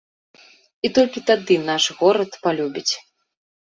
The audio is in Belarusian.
І толькі тады наш горад палюбяць.